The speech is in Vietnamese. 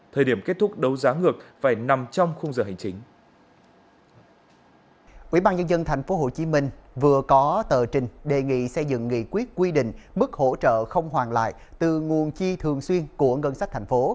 thời điểm kết thúc đấu giá ngược phải nằm trong khung giờ hành chính